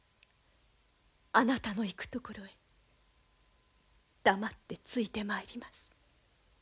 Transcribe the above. あなたの行くところへ黙ってついてまいります。